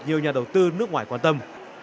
nhiều nhà đầu tư nước ngoài quan tâm